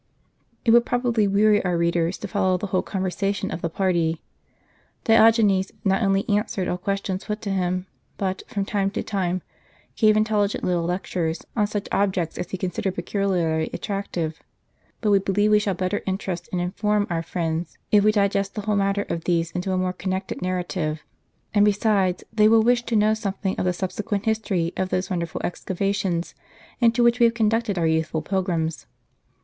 It would probably weary our readers to follow the whole conversation of the party. Diogenes not only answered all questions put to him, but, from time to time, gave intelligent little lectures, on such objects as he considered peculiarly attractive. But we believe we shall better interest and inform oitr friends, if we digest the whole matter of these into a more connected narrative. And besides, they will wish to know something of the subsequent history of those wonderful excavations, into which we have conducted our youthful pilgrims.